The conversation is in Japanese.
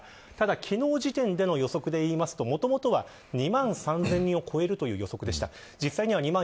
昨日、時点での予測ですともともとは２万３０００人を超えるという予測でした。